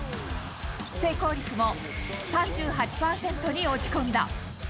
成功率も３８％に落ち込んだ。